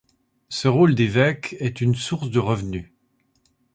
Ce rôle d'évêque est une source de revenus.